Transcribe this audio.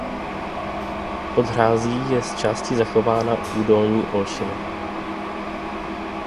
Pod hrází je z části zachována údolní olšina.